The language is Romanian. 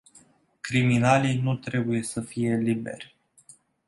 Criminalii nu trebuie să fie liberi.